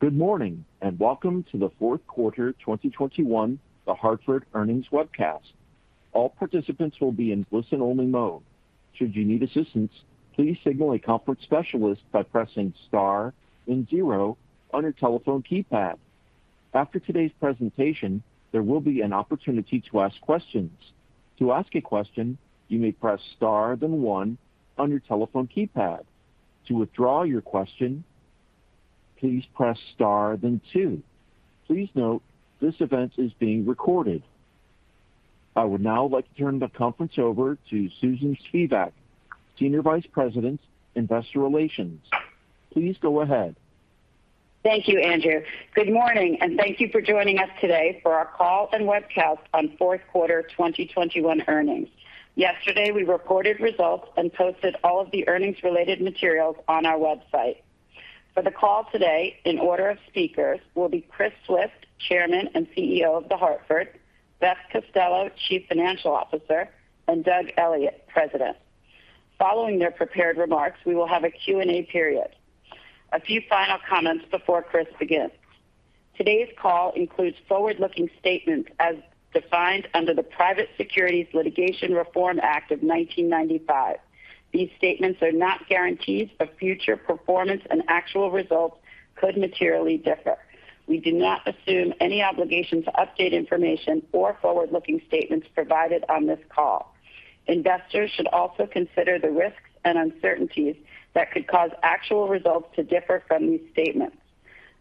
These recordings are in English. Good morning, and welcome to the fourth quarter 2021 The Hartford earnings webcast. All participants will be in listen-only mode. Should you need assistance, please signal a conference specialist by pressing star then zero on your telephone keypad. After today's presentation, there will be an opportunity to ask questions. To ask a question, you may press star then one on your telephone keypad. To withdraw your question, please press star then two. Please note this event is being recorded. I would now like to turn the conference over to Susan Spivak, Senior Vice President, Investor Relations. Please go ahead. Thank you, Andrew. Good morning, and thank you for joining us today for our call and webcast on fourth quarter 2021 earnings. Yesterday, we reported results and posted all of the earnings related materials on our website. For the call today in order of speakers will be Chris Swift, Chairman and CEO of The Hartford, Beth Costello, Chief Financial Officer, and Doug Elliot, President. Following their prepared remarks, we will have a Q&A period. A few final comments before Chris begins. Today's call includes forward-looking statements as defined under the Private Securities Litigation Reform Act of 1995. These statements are not guarantees of future performance and actual results could materially differ. We do not assume any obligation to update information or forward-looking statements provided on this call. Investors should also consider the risks and uncertainties that could cause actual results to differ from these statements.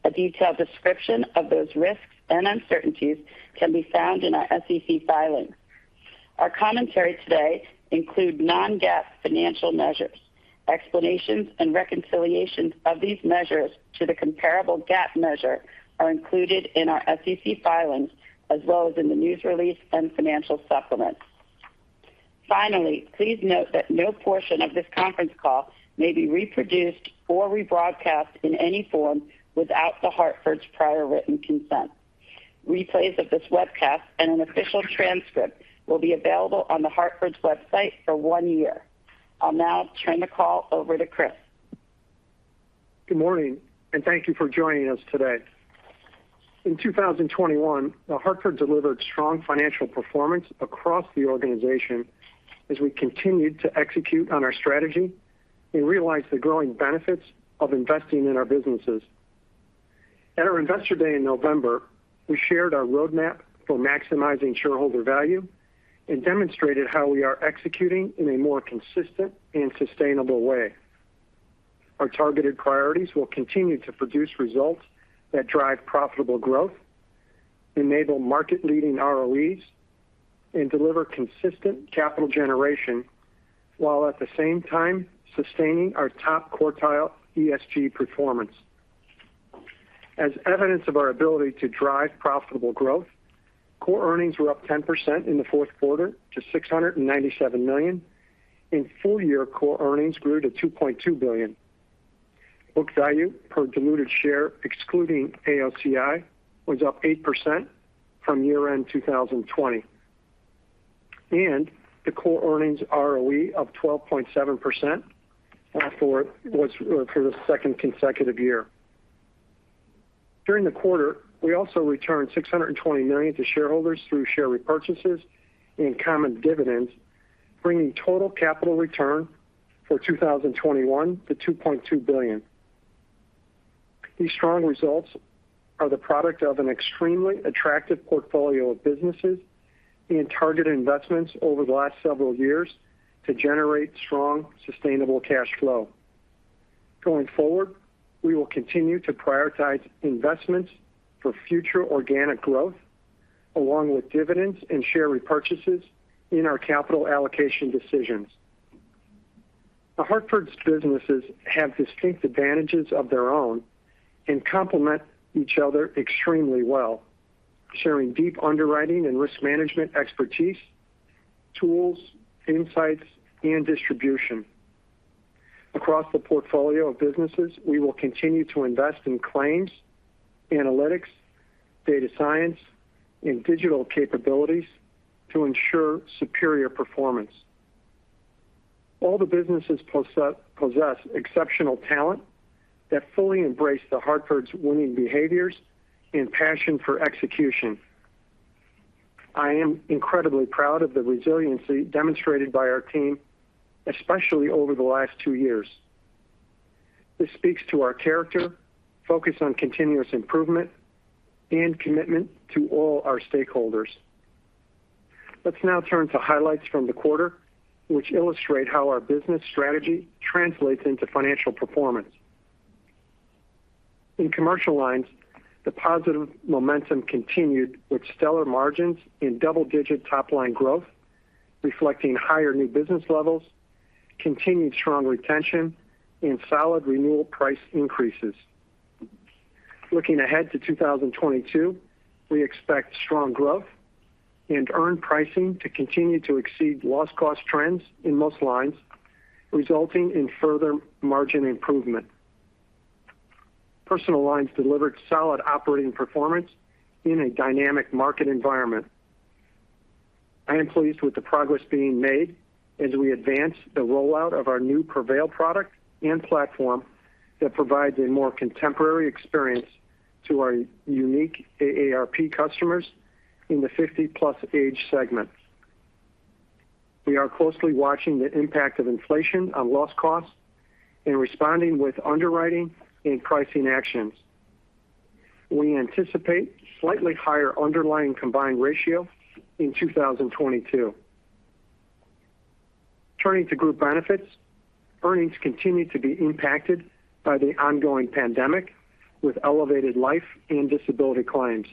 A detailed description of those risks and uncertainties can be found in our SEC filings. Our commentary today includes non-GAAP financial measures. Explanations and reconciliations of these measures to the comparable GAAP measure are included in our SEC filings as well as in the news release and financial supplements. Finally, please note that no portion of this conference call may be reproduced or rebroadcast in any form without The Hartford's prior written consent. Replays of this webcast and an official transcript will be available on The Hartford's website for one year. I'll now turn the call over to Chris. Good morning, and thank you for joining us today. In 2021, The Hartford delivered strong financial performance across the organization as we continued to execute on our strategy and realize the growing benefits of investing in our businesses. At our Investor Day in November, we shared our roadmap for maximizing shareholder value and demonstrated how we are executing in a more consistent and sustainable way. Our targeted priorities will continue to produce results that drive profitable growth, enable market-leading ROEs, and deliver consistent capital generation, while at the same time sustaining our top quartile ESG performance. As evidence of our ability to drive profitable growth, core earnings were up 10% in the fourth quarter to $697 million, and full year core earnings grew to $2.2 billion. Book value per diluted share, excluding AOCI, was up 8% from year-end 2020. The core earnings ROE of 12.7% was for the second consecutive year. During the quarter, we also returned $620 million to shareholders through share repurchases and common dividends, bringing total capital return for 2021 to $2.2 billion. These strong results are the product of an extremely attractive portfolio of businesses and targeted investments over the last several years to generate strong, sustainable cash flow. Going forward, we will continue to prioritize investments for future organic growth, along with dividends and share repurchases in our capital allocation decisions. The Hartford's businesses have distinct advantages of their own and complement each other extremely well, sharing deep underwriting and risk management expertise, tools, insights, and distribution. Across the portfolio of businesses, we will continue to invest in claims, analytics, data science, and digital capabilities to ensure superior performance. All the businesses possess exceptional talent that fully embrace The Hartford's winning behaviors and passion for execution. I am incredibly proud of the resiliency demonstrated by our team, especially over the last two years. This speaks to our character, focus on continuous improvement, and commitment to all our stakeholders. Let's now turn to highlights from the quarter, which illustrate how our business strategy translates into financial performance. In Commercial Lines, the positive momentum continued with stellar margins and double-digit top line growth, reflecting higher new business levels, continued strong retention, and solid renewal price increases. Looking ahead to 2022, we expect strong growth and earned pricing to continue to exceed loss cost trends in most lines, resulting in further margin improvement. Personal Lines delivered solid operating performance in a dynamic market environment. I am pleased with the progress being made as we advance the rollout of our new Prevail product and platform that provides a more contemporary experience to our unique AARP customers in the 50+ age segment. We are closely watching the impact of inflation on loss costs and responding with underwriting and pricing actions. We anticipate slightly higher underlying combined ratio in 2022. Turning to group benefits, earnings continue to be impacted by the ongoing pandemic, with elevated life and disability claims.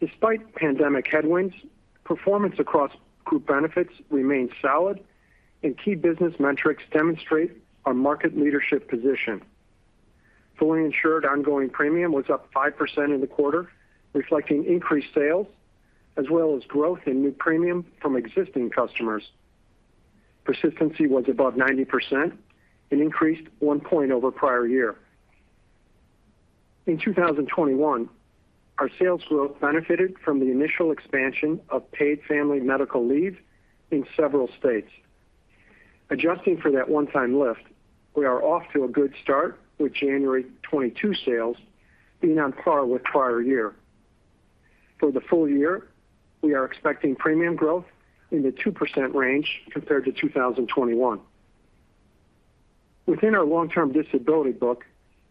Despite pandemic headwinds, performance across group benefits remains solid, and key business metrics demonstrate our market leadership position. Fully insured ongoing premium was up 5% in the quarter, reflecting increased sales as well as growth in new premium from existing customers. Persistency was above 90% and increased 1 point over prior year. In 2021, our sales growth benefited from the initial expansion of paid family medical leave in several states. Adjusting for that one-time lift, we are off to a good start with January 2022 sales being on par with prior year. For the full year, we are expecting premium growth in the 2% range compared to 2021. Within our long-term disability book,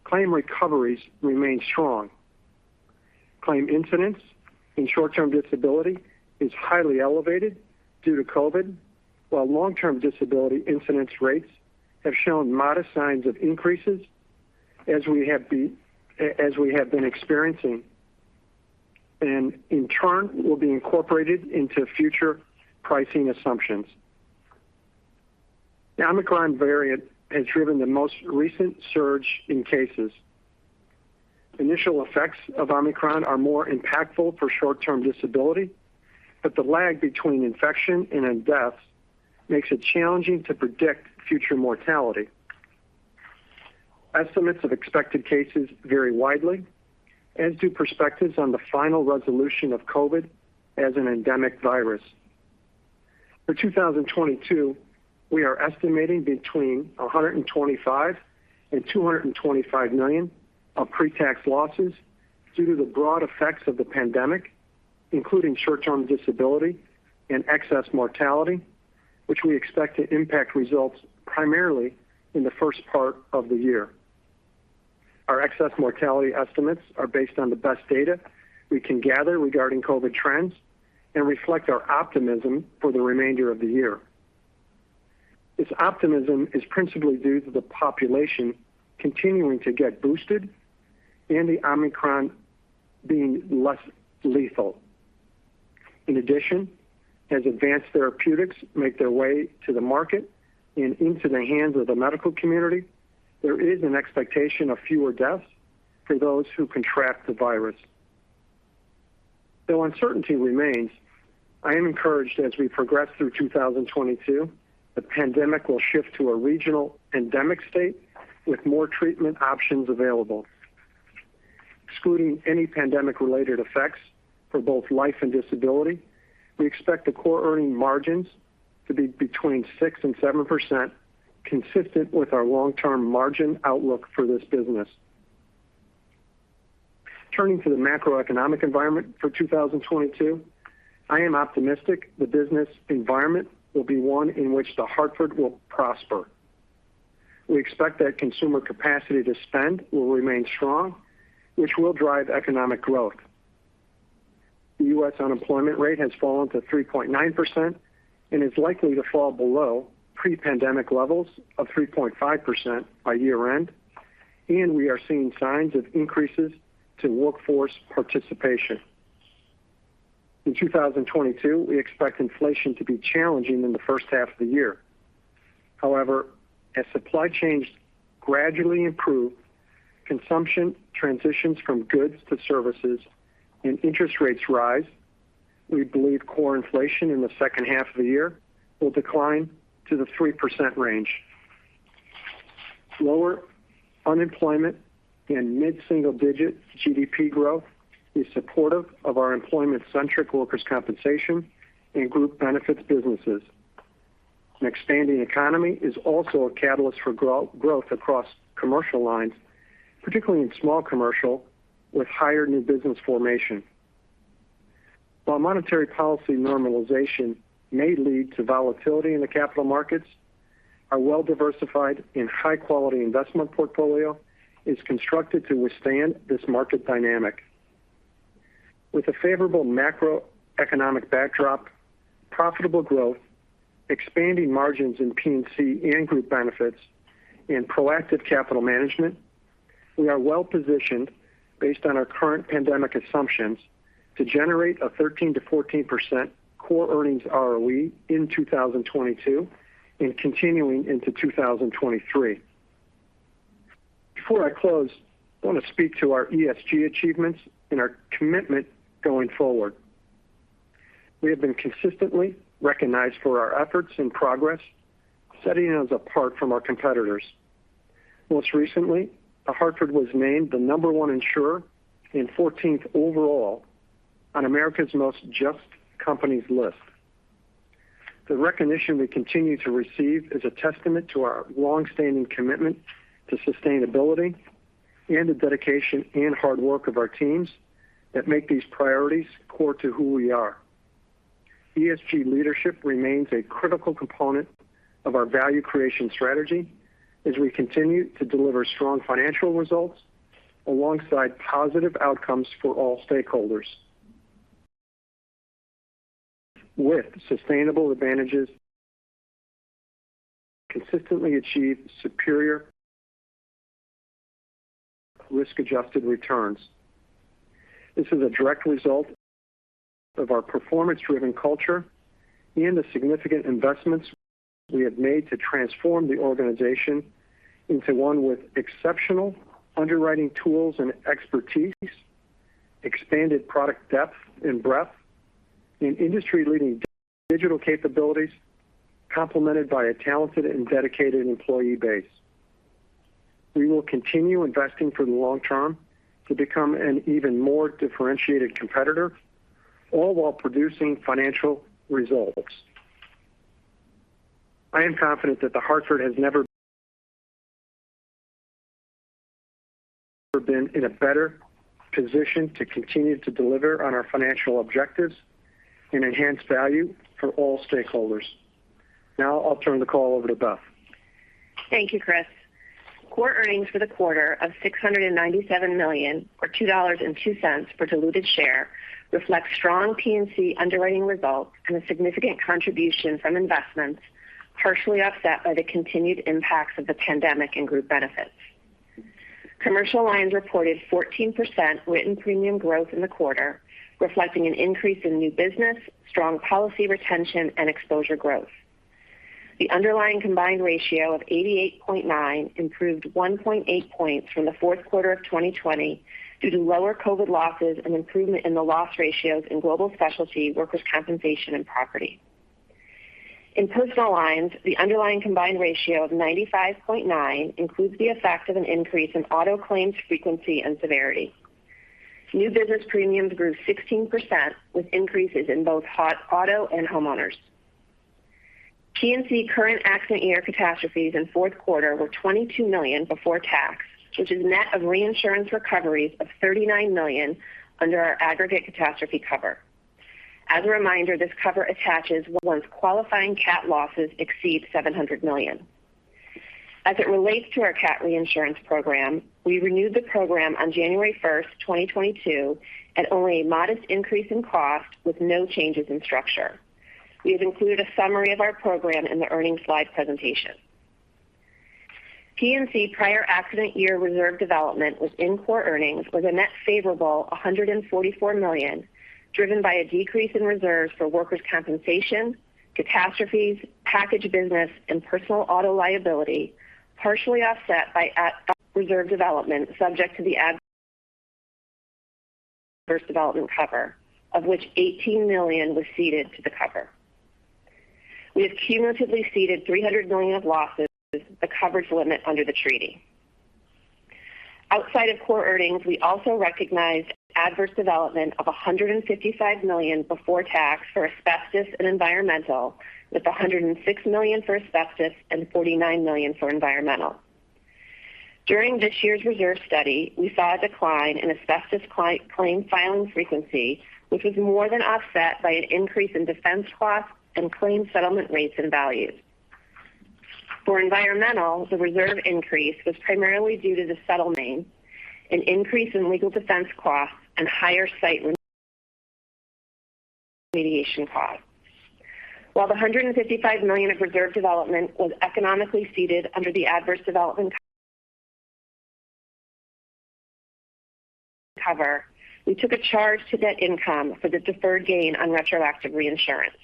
claim recoveries remain strong. Claim incidence in short-term disability is highly elevated due to COVID, while long-term disability incidence rates have shown modest signs of increases as we have been experiencing, and in turn, will be incorporated into future pricing assumptions. The Omicron variant has driven the most recent surge in cases. Initial effects of Omicron are more impactful for short-term disability, but the lag between infection and death makes it challenging to predict future mortality. Estimates of expected cases vary widely, as do perspectives on the final resolution of COVID as an endemic virus. For 2022, we are estimating between $125 million and $225 million of pretax losses due to the broad effects of the pandemic, including short-term disability and excess mortality, which we expect to impact results primarily in the first part of the year. Our excess mortality estimates are based on the best data we can gather regarding COVID trends and reflect our optimism for the remainder of the year. This optimism is principally due to the population continuing to get boosted and the Omicron being less lethal. In addition, as advanced therapeutics make their way to the market and into the hands of the medical community, there is an expectation of fewer deaths for those who contract the virus. Though uncertainty remains, I am encouraged as we progress through 2022, the pandemic will shift to a regional endemic state with more treatment options available. Excluding any pandemic-related effects for both life and disability, we expect the core earning margins to be between 6% and 7%, consistent with our long-term margin outlook for this business. Turning to the macroeconomic environment for 2022, I am optimistic the business environment will be one in which The Hartford will prosper. We expect that consumer capacity to spend will remain strong, which will drive economic growth. The U.S. unemployment rate has fallen to 3.9% and is likely to fall below pre-pandemic levels of 3.5% by year-end, and we are seeing signs of increases to workforce participation. In 2022, we expect inflation to be challenging in the first half of the year. However, as supply chains gradually improve, consumption transitions from goods to services, and interest rates rise, we believe core inflation in the second half of the year will decline to the 3% range. Lower unemployment and mid-single-digit GDP growth is supportive of our employment-centric workers' compensation and group benefits businesses. An expanding economy is also a catalyst for growth across commercial lines, particularly in small commercial, with higher new business formation. While monetary policy normalization may lead to volatility in the capital markets, our well-diversified and high-quality investment portfolio is constructed to withstand this market dynamic. With a favorable macroeconomic backdrop, profitable growth, expanding margins in P&C and group benefits, and proactive capital management, we are well positioned based on our current pandemic assumptions to generate a 13%-14% core earnings ROE in 2022 and continuing into 2023. Before I close, I want to speak to our ESG achievements and our commitment going forward. We have been consistently recognized for our efforts and progress, setting us apart from our competitors. Most recently, The Hartford was named the number one insurer in 14th overall on America's Most JUST Companies list. The recognition we continue to receive is a testament to our long-standing commitment to sustainability and the dedication and hard work of our teams that make these priorities core to who we are. ESG leadership remains a critical component of our value creation strategy as we continue to deliver strong financial results alongside positive outcomes for all stakeholders. With sustainable advantages, we consistently achieve superior risk-adjusted returns. This is a direct result of our performance-driven culture and the significant investments we have made to transform the organization into one with exceptional underwriting tools and expertise, expanded product depth and breadth in industry-leading digital capabilities, complemented by a talented and dedicated employee base. We will continue investing for the long term to become an even more differentiated competitor, all while producing financial results. I am confident that The Hartford has never been in a better position to continue to deliver on our financial objectives and enhance value for all stakeholders. Now I'll turn the call over to Beth. Thank you, Chris. Core earnings for the quarter of $697 million or $2.02 per diluted share reflects strong P&C underwriting results and a significant contribution from investments, partially offset by the continued impacts of the pandemic in group benefits. Commercial lines reported 14% written premium growth in the quarter, reflecting an increase in new business, strong policy retention and exposure growth. The underlying combined ratio of 88.9 improved 1.8 points from the fourth quarter of 2020 due to lower COVID losses and improvement in the loss ratios in Global Specialty workers' compensation and property. In personal lines, the underlying combined ratio of 95.9 includes the effect of an increase in auto claims frequency and severity. New business premiums grew 16%, with increases in both auto and homeowners. P&C current accident year catastrophes in fourth quarter were $22 million before tax, which is net of reinsurance recoveries of $39 million under our aggregate catastrophe cover. As a reminder, this cover attaches once qualifying cat losses exceed $700 million. As it relates to our cat reinsurance program, we renewed the program on January 1st, 2022 at only a modest increase in cost with no changes in structure. We have included a summary of our program in the earnings slide presentation. P&C prior accident year reserve development was in core earnings with a net favorable $144 million, driven by a decrease in reserves for workers' compensation, catastrophes, package business and personal auto liability, partially offset by adverse reserve development subject to the adverse development cover, of which $18 million was ceded to the cover. We have cumulatively ceded $300 million of losses, the coverage limit under the treaty. Outside of core earnings, we also recognized adverse development of $155 million before tax for asbestos and environmental, with $106 million for asbestos and $49 million for environmental. During this year's reserve study, we saw a decline in asbestos client claim filing frequency, which was more than offset by an increase in defense costs and claim settlement rates and values. For environmental, the reserve increase was primarily due to the settlement, an increase in legal defense costs, and higher site remediation costs. While the $155 million of reserve development was economically ceded under the adverse development cover, we took a charge to net income for the deferred gain on retroactive reinsurance.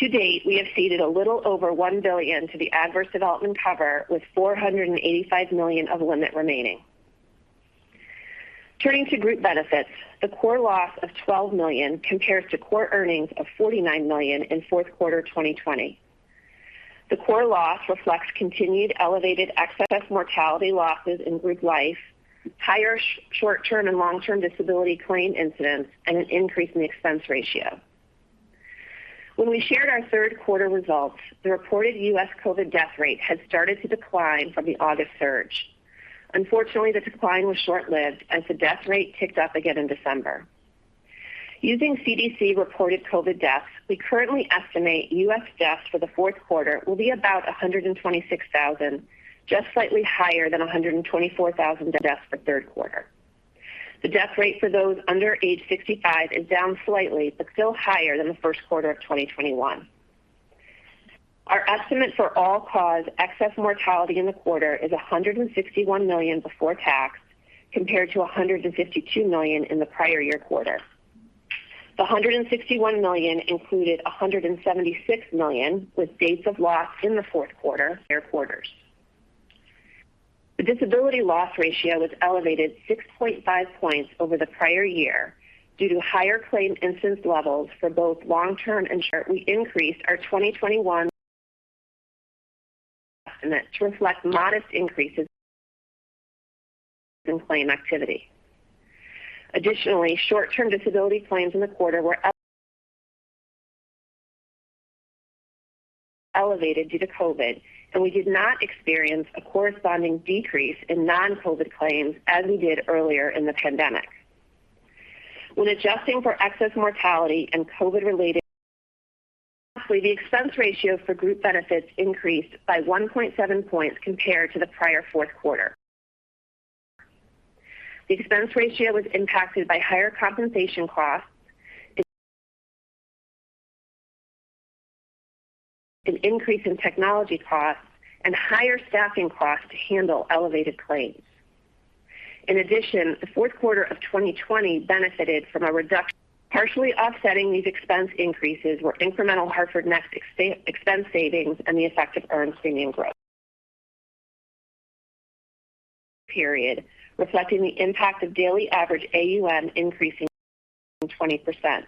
To date, we have ceded a little over $1 billion to the adverse development cover, with $485 million of limit remaining. Turning to group benefits, the core loss of $12 million compares to core earnings of $49 million in fourth quarter 2020. The core loss reflects continued elevated excess mortality losses in group life, higher short-term and long-term disability claim incidents, and an increase in the expense ratio. When we shared our third quarter results, the reported U.S. COVID death rate had started to decline from the August surge. Unfortunately, the decline was short-lived as the death rate ticked up again in December. Using CDC reported COVID deaths, we currently estimate U.S. deaths for the fourth quarter will be about 126,000, just slightly higher than 124,000 deaths for third quarter. The death rate for those under age 65 is down slightly, but still higher than the first quarter of 2021. Our estimate for all-cause excess mortality in the quarter is $161 million before tax, compared to $152 million in the prior year quarter. The $161 million included $176 million with dates of loss in the fourth quarter. The disability loss ratio was elevated 6.5 points over the prior year due to higher claim incidence levels for both long-term and short-term. We increased our 2021 and thereafter to reflect modest increases in claim activity. Additionally, short-term disability claims in the quarter were elevated due to COVID, and we did not experience a corresponding decrease in non-COVID claims as we did earlier in the pandemic. When adjusting for excess mortality and COVID related, the expense ratio for group benefits increased by 1.7 points compared to the prior fourth quarter. The expense ratio was impacted by higher compensation costs, an increase in technology costs, and higher staffing costs to handle elevated claims. In addition, the fourth quarter of 2020 benefited from a reduction. Partially offsetting these expense increases were incremental Hartford Next expense savings and the effect of earned premium growth, reflecting the impact of daily average AUM increasing 20%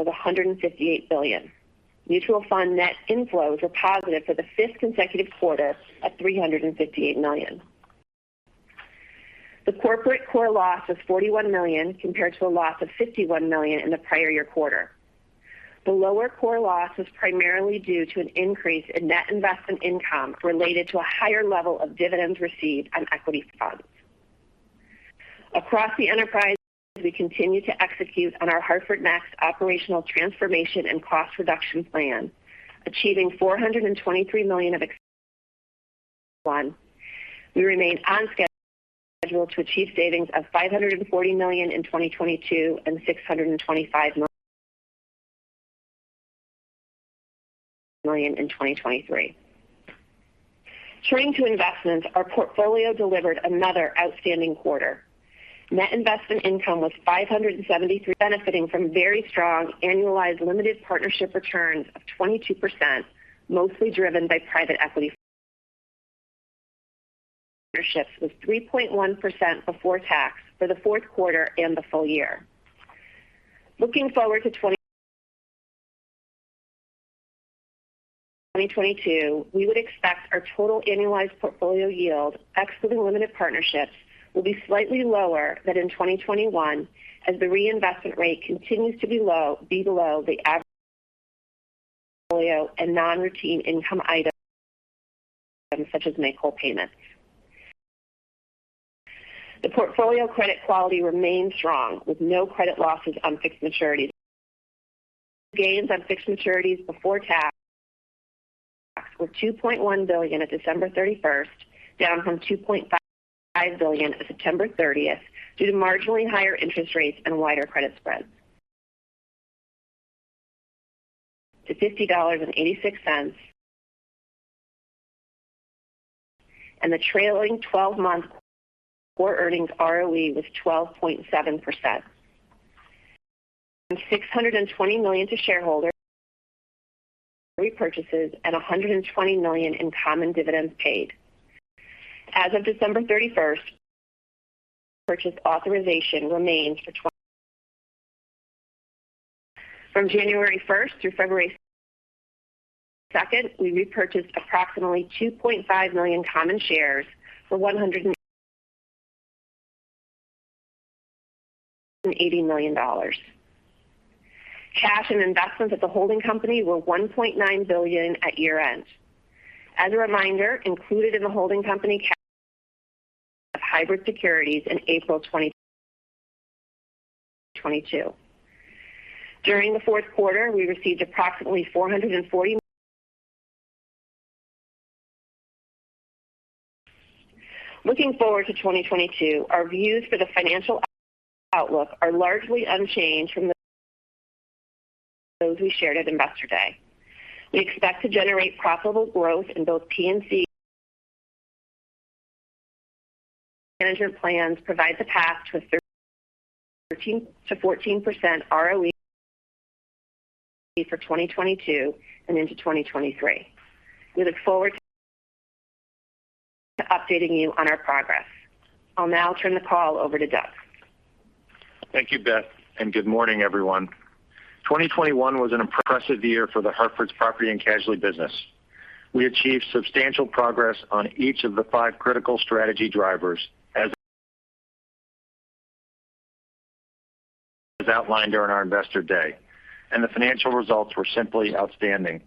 of $158 billion. Mutual fund net inflows were positive for the fifth consecutive quarter of $358 million. The corporate core loss of $41 million compared to a loss of $51 million in the prior year quarter. The lower core loss was primarily due to an increase in net investment income related to a higher level of dividends received on equity funds. Across the enterprise, we continue to execute on our Hartford Next operational transformation and cost reduction plan, achieving $423 million. We remain on schedule to achieve savings of $540 million in 2022 and $625 million in 2023. Turning to investments, our portfolio delivered another outstanding quarter. Net investment income was $573 million benefiting from very strong annualized limited partnership returns of 22%, mostly driven by private equity. Partnerships was 3.1% before tax for the fourth quarter and the full year. Looking forward to 2022, we would expect our total annualized portfolio yield, ex of the limited partnerships, will be slightly lower than in 2021 as the reinvestment rate continues to be low, below the average portfolio and non-routine income items such as make whole payments. The portfolio credit quality remains strong with no credit losses on fixed maturities. Gains on fixed maturities before tax were $2.1 billion at December 31st, down from $2.5 billion at September 30th due to marginally higher interest rates and wider credit spreads. To $50.86. The trailing 12 month core earnings ROE was 12.7%. $620 million to shareholders in repurchases and $120 million in common dividends paid. As of December 31st, purchase authorization remains for... From January 1st through February 2nd, we repurchased approximately 2.5 million common shares for $180 million. Cash and investments at the holding company were $1.9 billion at year-end. As a reminder, included in the holding company cash of hybrid securities in April 2022. During the fourth quarter, we received approximately $440. Looking forward to 2022, our views for the financial outlook are largely unchanged from those we shared at Investor Day. We expect to generate profitable growth in both P&C. Management plans provide the path to a 13%-14% ROE for 2022 and into 2023. We look forward to updating you on our progress. I'll now turn the call over to Doug. Thank you, Beth, and good morning, everyone. 2021 was an impressive year for The Hartford's property and casualty business. We achieved substantial progress on each of the five critical strategy drivers as outlined during our Investor Day, and the financial results were simply outstanding.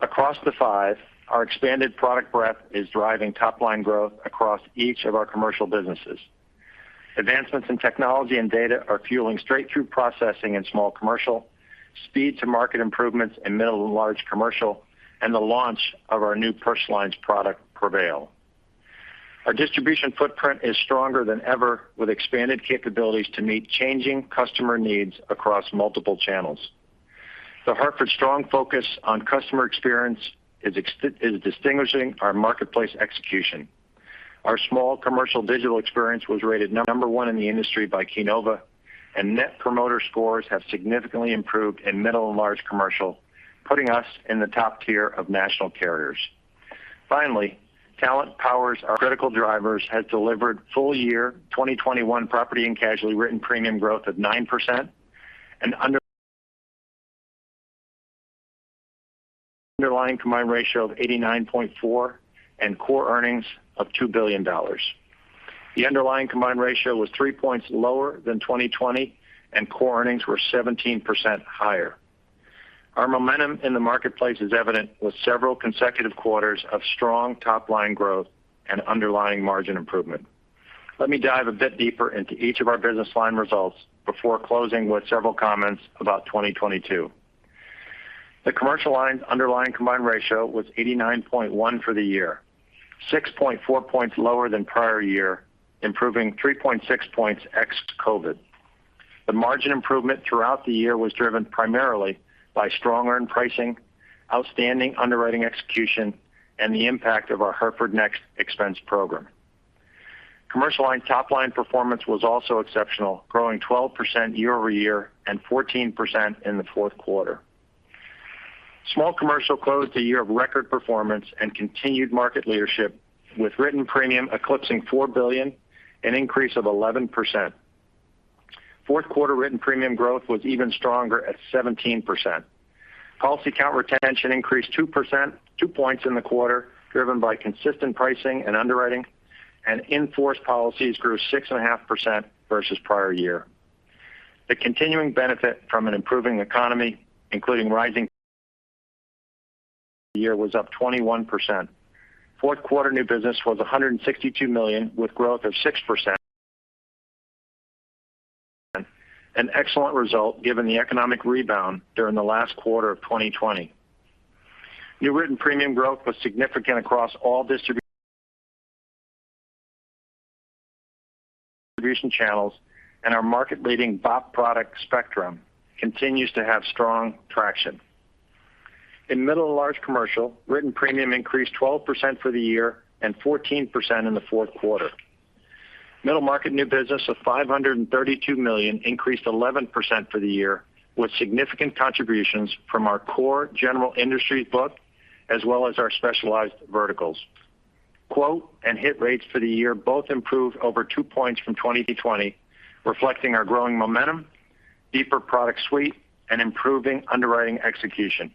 Across the five, our expanded product breadth is driving top line growth across each of our commercial businesses. Advancements in technology and data are fueling straight through processing and small commercial, speed to market improvements in middle and large commercial, and the launch of our new personal lines product, Prevail. Our distribution footprint is stronger than ever, with expanded capabilities to meet changing customer needs across multiple channels. The Hartford's strong focus on customer experience is distinguishing our marketplace execution. Our small commercial digital experience was rated number one in the industry by Keynova, and Net Promoter Scores have significantly improved in middle and large commercial, putting us in the top tier of national carriers. Our talent powers our critical drivers and has delivered full year 2021 property and casualty written premium growth of 9% and underlying combined ratio of 89.4 and core earnings of $2 billion. The underlying combined ratio was 3 points lower than 2020 and core earnings were 17% higher. Our momentum in the marketplace is evident with several consecutive quarters of strong top-line growth and underlying margin improvement. Let me dive a bit deeper into each of our business line results before closing with several comments about 2022. The Commercial Lines underlying combined ratio was 89.1 for the year, 6.4 points lower than prior year, improving 3.6 points ex-COVID. The margin improvement throughout the year was driven primarily by strong earned pricing, outstanding underwriting execution, and the impact of our Hartford Next expense program. Commercial Lines top-line performance was also exceptional, growing 12% year-over-year and 14% in the fourth quarter. Small Commercial closed a year of record performance and continued market leadership with written premium eclipsing $4 billion, an increase of 11%. Fourth quarter written premium growth was even stronger at 17%. Policy count retention increased 2%, 2 points in the quarter, driven by consistent pricing and underwriting, and in-force policies grew 6.5% versus prior year. The continuing benefit from an improving economy, including rising, the year was up 21%. Fourth quarter new business was $162 million with growth of 6%. An excellent result given the economic rebound during the last quarter of 2020. New written premium growth was significant across all distribution channels and our market-leading BOP product Spectrum continues to have strong traction. In middle and large commercial, written premium increased 12% for the year and 14% in the fourth quarter. Middle market new business of $532 million increased 11% for the year, with significant contributions from our core general industry book, as well as our specialized verticals. Quote and hit rates for the year both improved over two points from 2020, reflecting our growing momentum, deeper product suite, and improving underwriting execution.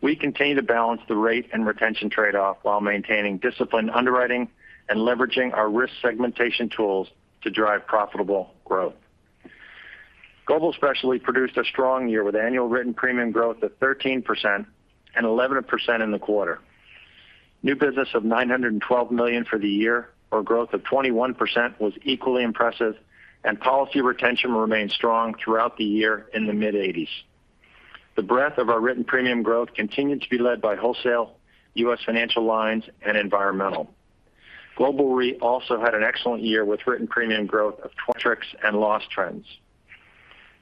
We continue to balance the rate and retention trade-off while maintaining disciplined underwriting and leveraging our risk segmentation tools to drive profitable growth. Global Specialty produced a strong year with annual written premium growth of 13% and 11% in the quarter. New business of $912 million for the year or growth of 21% was equally impressive, and policy retention remained strong throughout the year in the mid-80s. The breadth of our written premium growth continued to be led by wholesale U.S. financial lines and environmental. Global Re also had an excellent year with written premium growth of [26] and loss trends.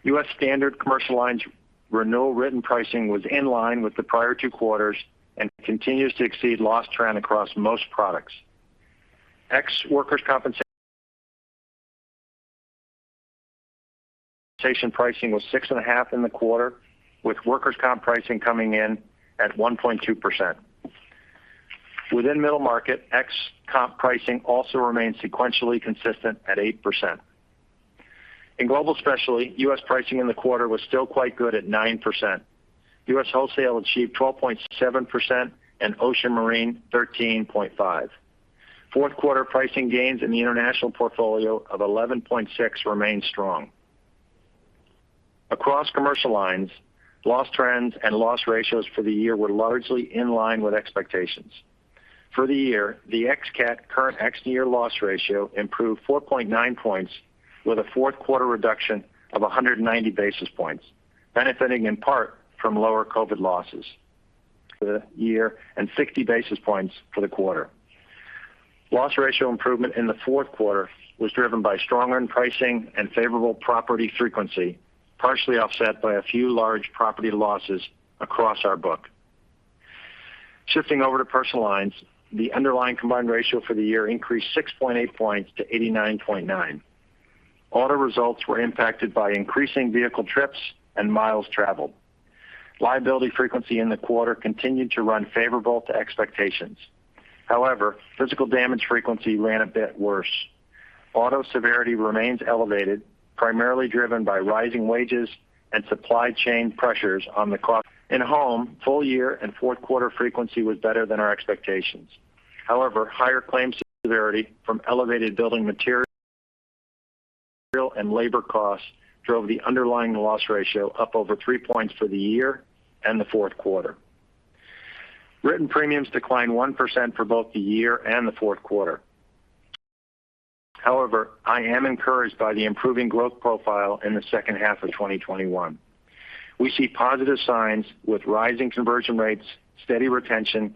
U.S. standard commercial lines renewal written pricing was in line with the prior two quarters and continues to exceed loss trend across most products. Ex workers' compensation pricing was 6.5 in the quarter, with workers' comp pricing coming in at 1.2%. Within middle market, ex-comp pricing also remains sequentially consistent at 8%. In Global Specialty, U.S. pricing in the quarter was still quite good at 9%. U.S. wholesale achieved 12.7% and Ocean Marine, 13.5%. Fourth quarter pricing gains in the international portfolio of 11.6% remain strong. Across commercial lines, loss trends and loss ratios for the year were largely in line with expectations. For the year, the ex cat current ex-near loss ratio improved 4.9 points with a fourth quarter reduction of 190 basis points, benefiting in part from lower COVID losses for the year and 60 basis points for the quarter. Loss ratio improvement in the fourth quarter was driven by strong earn pricing and favorable property frequency, partially offset by a few large property losses across our book. Shifting over to personal lines, the underlying combined ratio for the year increased 6.8 points to 89.9. Auto results were impacted by increasing vehicle trips and miles traveled. Liability frequency in the quarter continued to run favorable to expectations. However, physical damage frequency ran a bit worse. Auto severity remains elevated, primarily driven by rising wages and supply chain pressures on the cost. In home, full year and fourth quarter frequency was better than our expectations. However, higher claims severity from elevated building material and labor costs drove the underlying loss ratio up over 3 points for the year and the fourth quarter. Written premiums declined 1% for both the year and the fourth quarter. However, I am encouraged by the improving growth profile in the second half of 2021. We see positive signs with rising conversion rates, steady retention,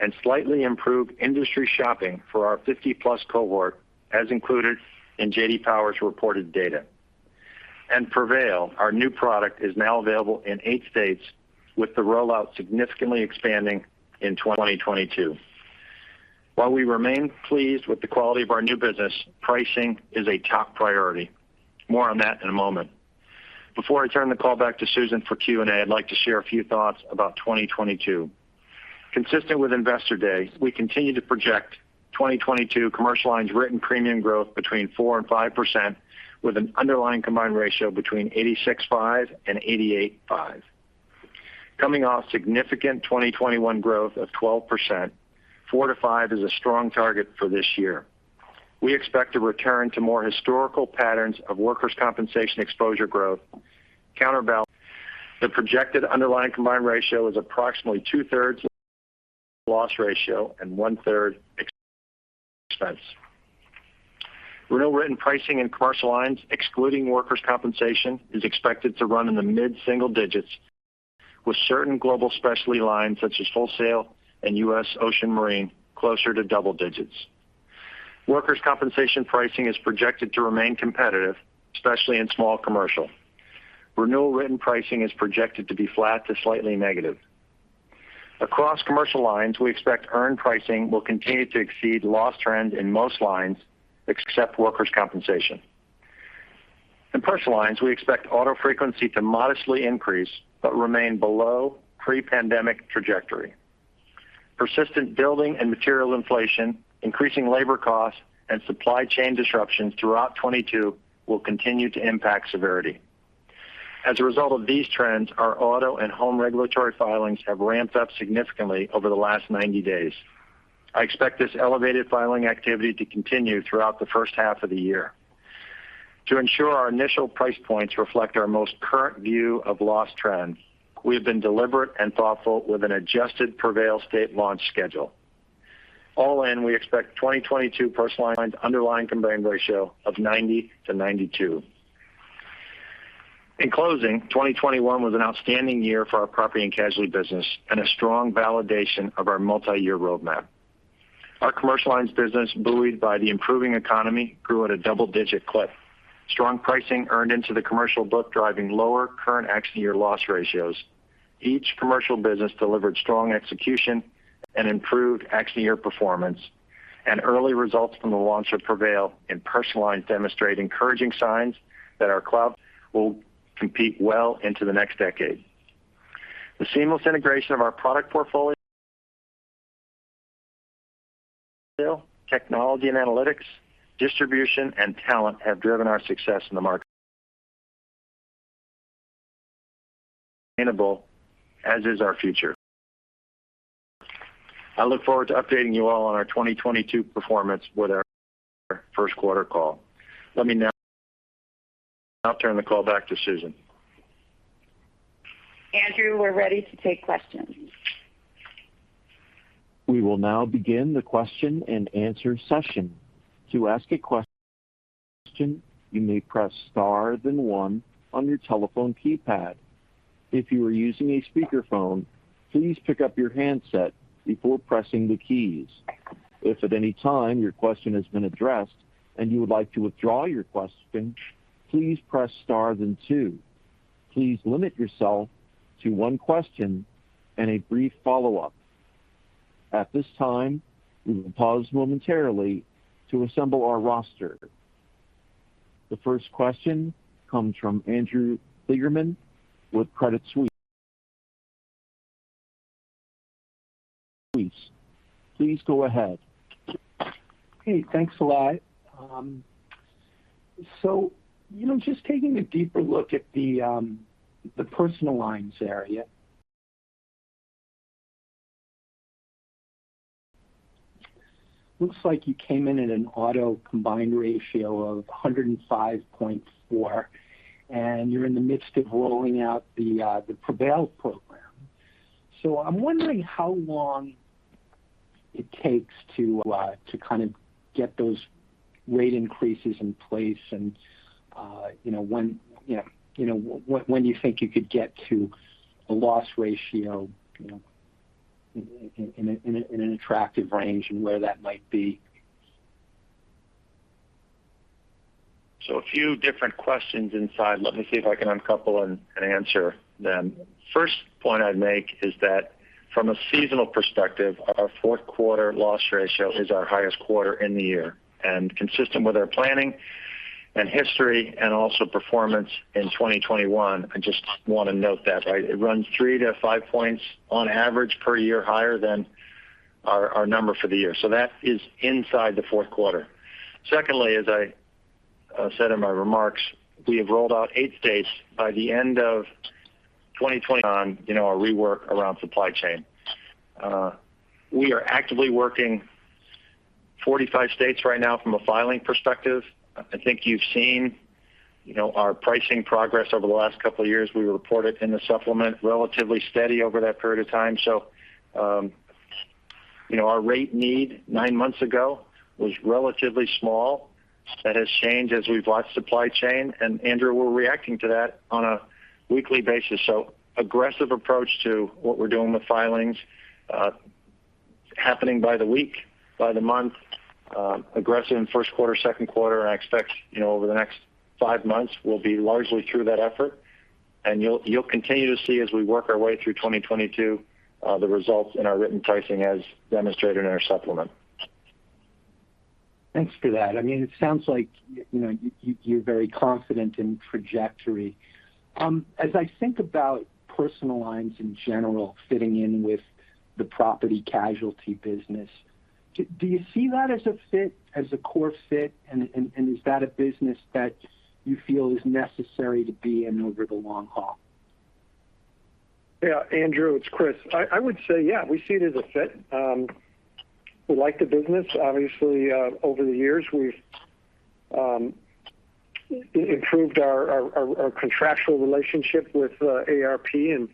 and slightly improved industry shopping for our 50+ cohort, as included in J.D. Power's reported data. Prevail, our new product, is now available in eight states, with the rollout significantly expanding in 2022. While we remain pleased with the quality of our new business, pricing is a top priority. More on that in a moment. Before I turn the call back to Susan for Q&A, I'd like to share a few thoughts about 2022. Consistent with Investor Day, we continue to project 2022 commercial lines written premium growth between 4% and 5% with an underlying combined ratio between 86.5% and 88.5%. Coming off significant 2021 growth of 12%, 4-5 is a strong target for this year. We expect to return to more historical patterns of workers' compensation exposure growth. Counterbalance, the projected underlying combined ratio is approximately 2/3 loss ratio and 1/3 expense. Renewal written pricing in commercial lines excluding workers' compensation is expected to run in the mid-single digits, with certain Global Specialty lines such as wholesale and U.S. Ocean Marine closer to double digits. Workers' compensation pricing is projected to remain competitive, especially in Small Commercial. Renewal written pricing is projected to be flat to slightly negative. Across commercial lines, we expect earned pricing will continue to exceed loss trends in most lines except workers' compensation. In Personal Lines, we expect auto frequency to modestly increase but remain below pre-pandemic trajectory. Persistent building and material inflation, increasing labor costs, and supply chain disruptions throughout 2022 will continue to impact severity. As a result of these trends, our auto and home regulatory filings have ramped up significantly over the last 90 days. I expect this elevated filing activity to continue throughout the first half of the year. To ensure our initial price points reflect our most current view of loss trends, we have been deliberate and thoughtful with an adjusted Prevail state launch schedule. All in, we expect 2022 personal lines underlying combined ratio of 90%-92%. In closing, 2021 was an outstanding year for our property and casualty business and a strong validation of our multi-year roadmap. Our commercial lines business, buoyed by the improving economy, grew at a double-digit clip. Strong pricing earned into the commercial book, driving lower current accident year loss ratios. Each commercial business delivered strong execution and improved accident year performance. Early results from the launch of Prevail in personal lines demonstrate encouraging signs that we'll compete well into the next decade. The seamless integration of our product portfolio, technology and analytics, distribution, and talent have driven our success in the market sustainable, as is our future. I look forward to updating you all on our 2022 performance with our first quarter call. Let me now turn the call back to Susan. Andrew, we're ready to take questions. We will now begin the question-and-answer session. To ask a question, you may press star then one on your telephone keypad. If you are using a speakerphone, please pick up your handset before pressing the keys. If at any time your question has been addressed and you would like to withdraw your question, please press star then two. Please limit yourself to one question and a brief follow-up. At this time, we will pause momentarily to assemble our roster. The first question comes from Andrew Kligerman with Credit Suisse. Please go ahead. Hey, thanks a lot. You know, just taking a deeper look at the personal lines area. Looks like you came in at an auto combined ratio of 105.4, and you're in the midst of rolling out the Prevail program. I'm wondering how long it takes to kind of get those rate increases in place and, you know, when you think you could get to a loss ratio, you know, in an attractive range and where that might be. A few different questions inside. Let me see if I can uncouple and answer them. First point I'd make is that from a seasonal perspective, our fourth quarter loss ratio is our highest quarter in the year. Consistent with our planning and history and also performance in 2021, I just want to note that, right? It runs 3-5 points on average per year higher than our number for the year. That is inside the fourth quarter. Secondly, as I said in my remarks, we have rolled out eight states by the end of 2020 on, you know, our rework around supply chain. We are actively working 45 states right now from a filing perspective. I think you've seen, you know, our pricing progress over the last couple of years. We reported in the supplement relatively steady over that period of time. You know, our rate need nine months ago was relatively small. That has changed as we've watched supply chain, and Andrew, we're reacting to that on a weekly basis. Aggressive approach to what we're doing with filings happening by the week, by the month. Aggressive in first quarter, second quarter, and I expect, you know, over the next 5 months, we'll be largely through that effort. You'll continue to see as we work our way through 2022, the results in our written pricing as demonstrated in our supplement. Thanks for that. I mean, it sounds like, you know, you're very confident in trajectory. As I think about personal lines in general fitting in with the property casualty business, do you see that as a fit, as a core fit, and is that a business that you feel is necessary to be in over the long haul? Yeah, Andrew, it's Chris. I would say, yeah, we see it as a fit. We like the business. Obviously, over the years, we've improved our contractual relationship with AARP and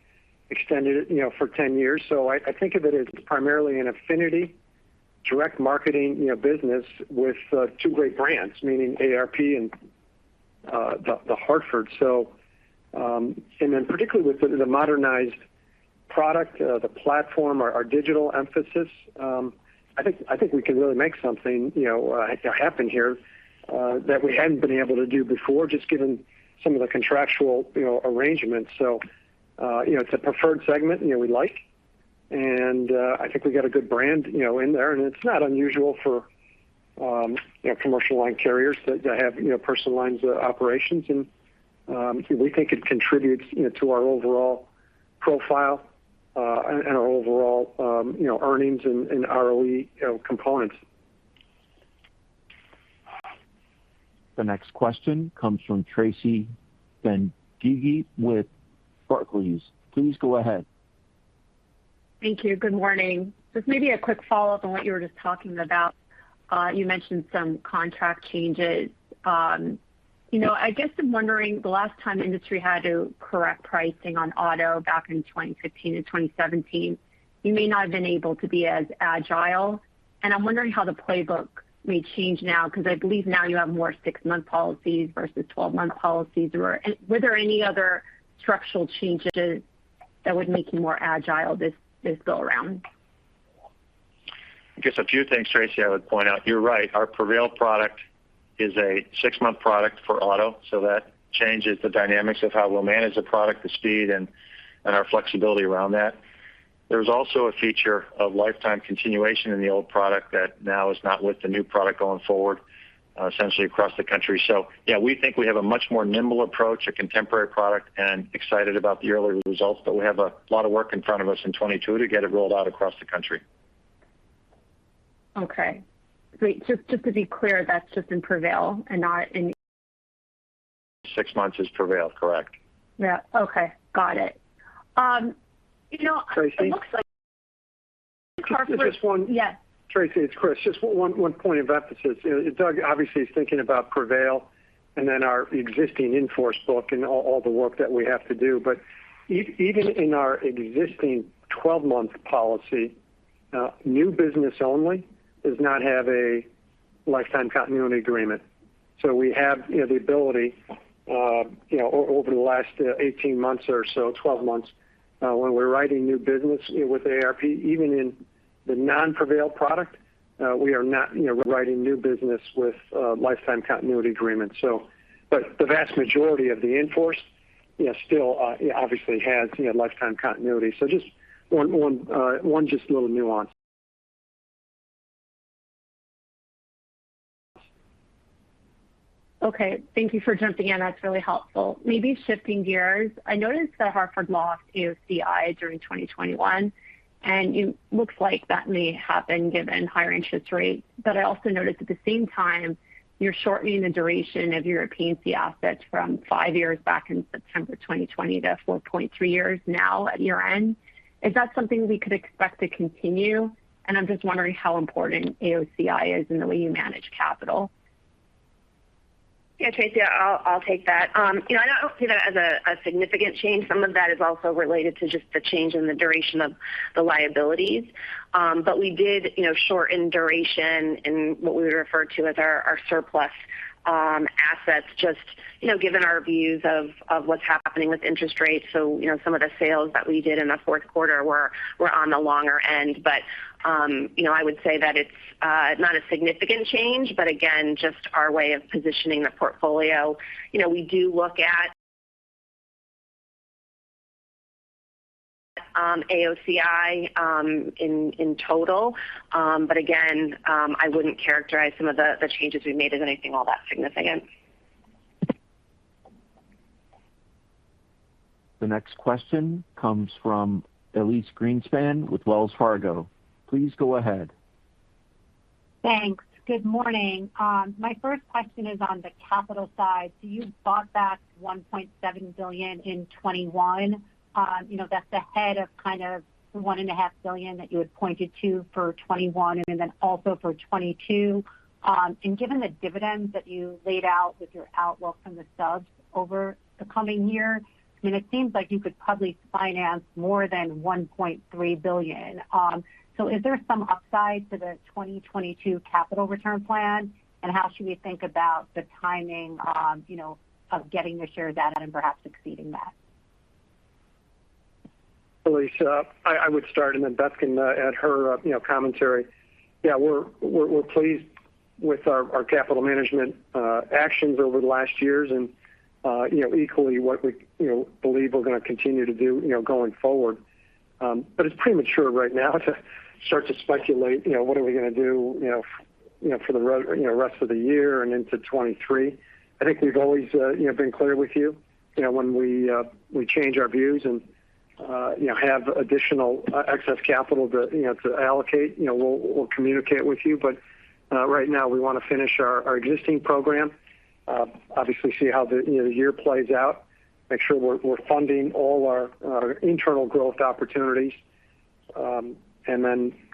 extended it, you know, for 10 years. I think of it as primarily an affinity direct marketing, you know, business with two great brands, meaning AARP and The Hartford. And then particularly with the modernized product, the platform, our digital emphasis, I think we can really make something, you know, happen here that we hadn't been able to do before, just given some of the contractual, you know, arrangements. You know, it's a preferred segment, you know, we like. I think we got a good brand, you know, in there. It's not unusual for, you know, commercial line carriers to have, you know, personal lines operations. We think it contributes, you know, to our overall profile, and our overall, you know, earnings and ROE, you know, components. The next question comes from Tracy Benguigui with Barclays. Please go ahead. Thank you. Good morning. Just maybe a quick follow-up on what you were just talking about. You mentioned some contract changes. You know, I guess I'm wondering the last time the industry had to correct pricing on auto back in 2015 to 2017, you may not have been able to be as agile. I'm wondering how the playbook may change now 'cause I believe now you have more six month policies versus 12-month policies. Were there any other structural changes that would make you more agile this go around? I guess a few things, Tracy. I would point out. You're right, our Prevail product is a six-month product for auto, so that changes the dynamics of how we'll manage the product, the speed and our flexibility around that. There's also a feature of lifetime continuation in the old product that now is not with the new product going forward, essentially across the country. Yeah, we think we have a much more nimble approach, a contemporary product, and excited about the early results. We have a lot of work in front of us in 2022 to get it rolled out across the country. Okay. Great. Just to be clear, that's just in Prevail and not in- Six months is Prevail, correct? Yeah. Okay. Got it. You know. Tracy. It looks like The Hartford. Just one. Yes. Tracy, it's Chris. Just one point of emphasis. You know, Doug obviously is thinking about Prevail and then our existing in-force book and all the work that we have to do. Even in our existing 12-month policy, new business only does not have a lifetime continuity agreement. We have, you know, the ability, you know, over the last 18 months or so, 12 months, when we're writing new business, you know, with AARP, even in the non-Prevail product, we are not, you know, writing new business with lifetime continuity agreements. But the vast majority of the in-force, you know, still obviously has, you know, lifetime continuity. Just one little nuance. Okay. Thank you for jumping in. That's really helpful. Maybe shifting gears. I noticed that Hartford lost AOCI during 2021, and it looks like that may happen given higher interest rates. I also noticed at the same time, you're shortening the duration of your P&C assets from five years back in September 2020 to 4.3 years now at year-end. Is that something we could expect to continue? And I'm just wondering how important AOCI is in the way you manage capital. Yeah, Tracy, I'll take that. You know, I don't see that as a significant change. Some of that is also related to just the change in the duration of the liabilities. We did, you know, shorten duration in what we would refer to as our surplus assets, just, you know, given our views of what's happening with interest rates. You know, some of the sales that we did in the fourth quarter were on the longer end. You know, I would say that it's not a significant change, but again, just our way of positioning the portfolio. You know, we do look at AOCI in total. Again, I wouldn't characterize some of the changes we made as anything all that significant. The next question comes from Elyse Greenspan with Wells Fargo. Please go ahead. Thanks. Good morning. My first question is on the capital side. You bought back $1.7 billion in 2021. You know, that's ahead of kind of the $1.5 billion that you had pointed to for 2021 and then also for 2022. Given the dividends that you laid out with your outlook from the subs over the coming year, I mean, it seems like you could probably finance more than $1.3 billion. Is there some upside to the 2022 capital return plan? And how should we think about the timing, you know, of getting to share that and perhaps exceeding that? Elyse, I would start and then Beth can add her, you know, commentary. Yeah, we're pleased with our capital management actions over the last years and, you know, equally what we, you know, believe we're gonna continue to do, you know, going forward. It's premature right now to start to speculate, you know, what are we gonna do, you know, you know, for the rest of the year and into 2023. I think we've always, you know, been clear with you. You know, when we change our views and, you know, have additional excess capital to, you know, to allocate, you know, we'll communicate with you. Right now, we wanna finish our existing program. Obviously see how the, you know, year plays out, make sure we're funding all our internal growth opportunities. You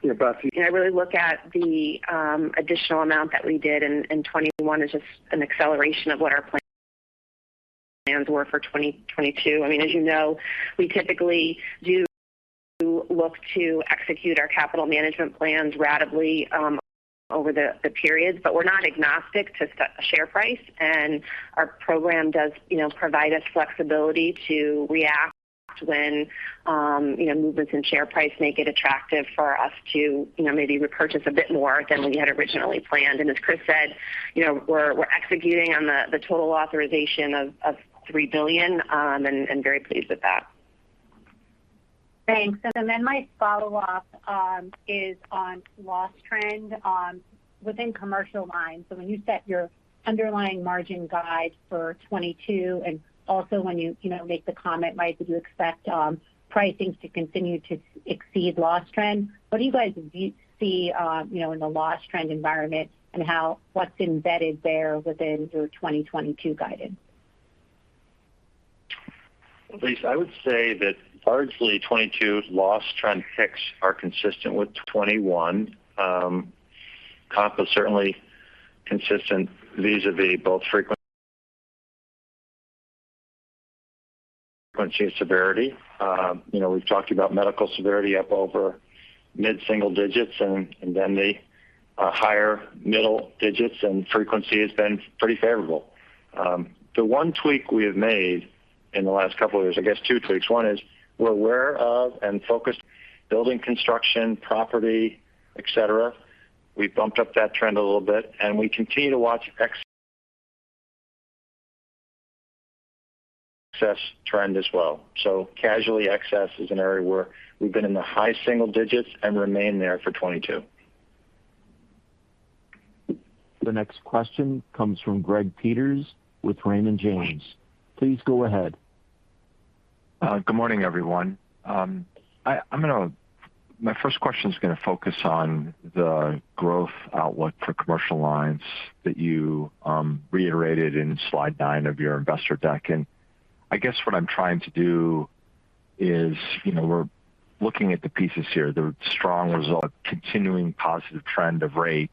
know, Beth, you- Yeah, I really look at the additional amount that we did in 2021 as just an acceleration of what our plans were for 2022. I mean, as you know, we typically do look to execute our capital management plans ratably over the periods. But we're not agnostic to share price, and our program does, you know, provide us flexibility to react when you know, movements in share price make it attractive for us to, you know, maybe repurchase a bit more than we had originally planned. As Chris said, you know, we're executing on the total authorization of $3 billion and very pleased with that. Thanks. My follow-up is on loss trend within commercial lines. When you set your underlying margin guide for 2022, and also when you know, make the comment, Mike, that you expect pricing to continue to exceed loss trend. What do you guys see, you know, in the loss trend environment and what's embedded there within your 2022 guidance? Elyse, I would say that largely 2022's loss trend ticks are consistent with 2021. Comp is certainly consistent vis-a-vis both frequency and severity. You know, we've talked about medical severity up over mid-single digits and then the higher middle digits and frequency has been pretty favorable. The one tweak we have made in the last couple of years, I guess two tweaks. One is we're aware of and focused building construction, property, et cetera. We've bumped up that trend a little bit, and we continue to watch excess trend as well. Casually, excess is an area where we've been in the high single digits and remain there for 2022. The next question comes from Greg Peters with Raymond James. Please go ahead. Good morning, everyone. My first question is gonna focus on the growth outlook for commercial lines that you reiterated in slide nine of your investor deck. I guess what I'm trying to do is, you know, we're looking at the pieces here, the strong result, continuing positive trend of rate.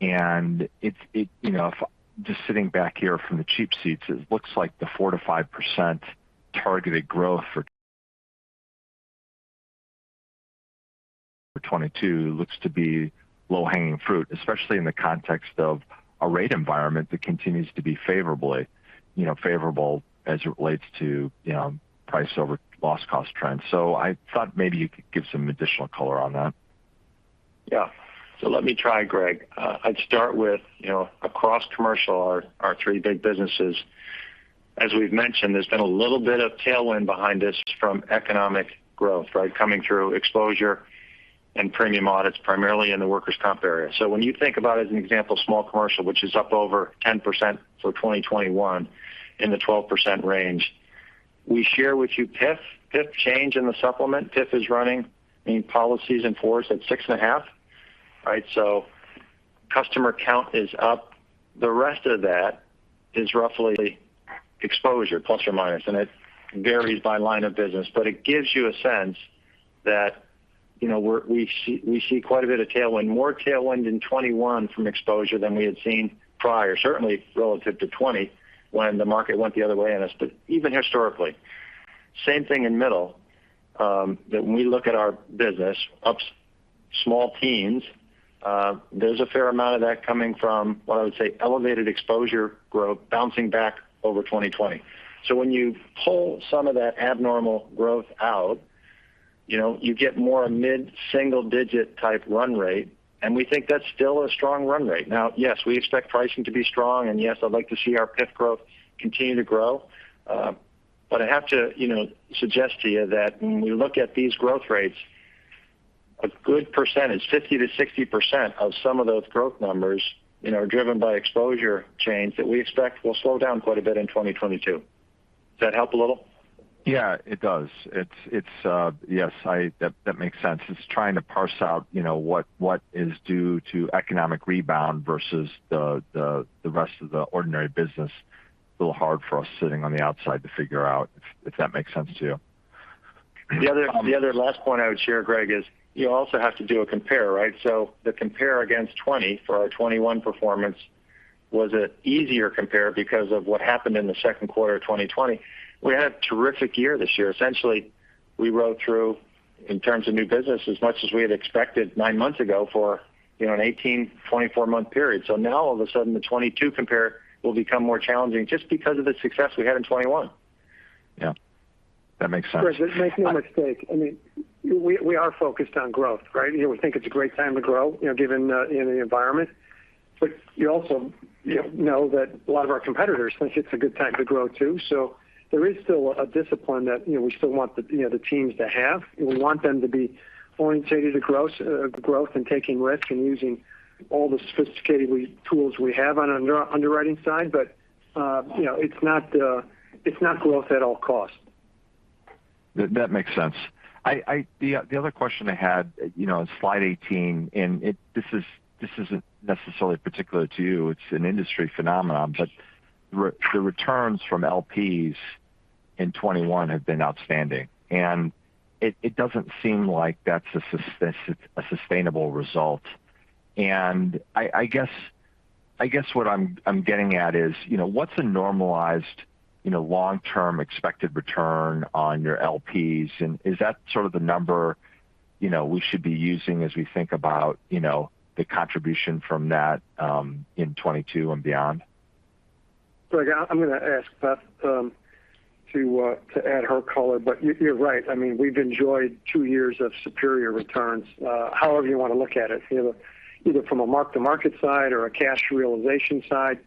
It, you know, if just sitting back here from the cheap seats, it looks like the 4%-5% targeted growth for 2022 looks to be low-hanging fruit, especially in the context of a rate environment that continues to be favorably, you know, favorable as it relates to, you know, price over loss cost trends. I thought maybe you could give some additional color on that. Yeah. Let me try, Greg. I'd start with, you know, across commercial, our three big businesses. As we've mentioned, there's been a little bit of tailwind behind us from economic growth, right? Coming through exposure and premium audits primarily in the workers' comp area. When you think about, as an example, small commercial, which is up over 10% for 2021 in the 12% range. We share with you PIF. PIF change in the supplement. PIF is running policies in force at 6.5, right? So customer count is up. The rest of that is roughly exposure plus or minus, and it varies by line of business. It gives you a sense that, you know, we see quite a bit of tailwind. More tailwind in 2021 from exposure than we had seen prior, certainly relative to 2020 when the market went the other way on us, but even historically. Same thing in middle, that when we look at our business, up small teens, there's a fair amount of that coming from what I would say elevated exposure growth bouncing back over 2020. So when you pull some of that abnormal growth out, you know, you get more a mid-single digit type run rate, and we think that's still a strong run rate. Now, yes, we expect pricing to be strong, and yes, I'd like to see our PIF growth continue to grow. I have to, you know, suggest to you that when you look at these growth rates, a good percentage, 50%-60% of some of those growth numbers, you know, are driven by exposure change that we expect will slow down quite a bit in 2022. Does that help a little? Yeah, it does. That makes sense. It's trying to parse out, you know, what is due to economic rebound versus the rest of the ordinary business. It's a little hard for us sitting on the outside to figure out if that makes sense to you. The other last point I would share, Greg, is you also have to do a compare, right? The compare against 2020 for our 2021 performance was an easier compare because of what happened in the second quarter of 2020. We had a terrific year this year. Essentially, we rode through. In terms of new business, as much as we had expected 9 months ago for, you know, an 18-24-month period. Now all of a sudden the 2022 compare will become more challenging just because of the success we had in 2021. Yeah, that makes sense. Greg, make no mistake. I mean, we are focused on growth, right? You know, we think it's a great time to grow, you know, given the environment. You also know that a lot of our competitors think it's a good time to grow, too. There is still a discipline that we still want the teams to have. We want them to be orientated to growth and taking risks and using all the sophisticated tools we have on our underwriting side. You know, it's not growth at all costs. That makes sense. The other question I had, you know, in slide 18, this isn't necessarily particular to you, it's an industry phenomenon. The returns from LPs in 2021 have been outstanding. It doesn't seem like that's a sustainable result. I guess what I'm getting at is, you know, what's a normalized, you know, long-term expected return on your LPs? Is that sort of the number, you know, we should be using as we think about, you know, the contribution from that in 2022 and beyond? I'm gonna ask Beth to add her color. You're right. I mean, we've enjoyed two years of superior returns, however you want to look at it. You know, either from a mark-to-market side or a cash realization side.